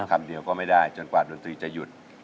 คำเดียวก็ไม่ได้จนกว่าดนตรีจะหยุด